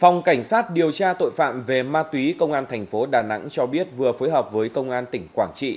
phòng cảnh sát điều tra tội phạm về ma túy công an thành phố đà nẵng cho biết vừa phối hợp với công an tỉnh quảng trị